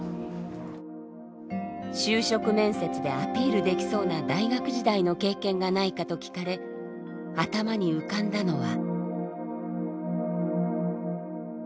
就職面接でアピールできそうな大学時代の経験がないかと聞かれ頭に浮かんだのは。